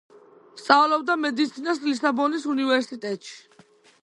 სწავლობდა მედიცინას ლისაბონის უნივერსიტეტში.